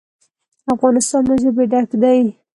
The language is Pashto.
افغانستان له ژبې ډک دی.